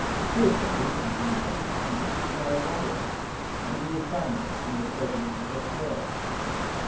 Two of those, from whom he had to choose, had married others, and he was banished from the presence of the third.